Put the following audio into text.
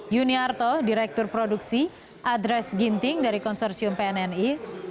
yuni arto direktur produksi adres ginting dari konsorsium pnni